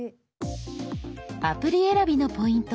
アプリ選びのポイント